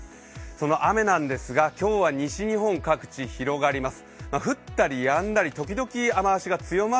その雨なんですが、今日は西日本各地、広がります。